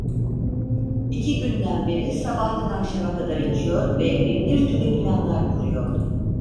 İki günden beri sabahtan akşama kadar içiyor ve binbir türlü planlar kuruyordu.